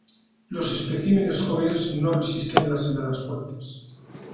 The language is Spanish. Los especímenes jóvenes no resisten las heladas fuertes.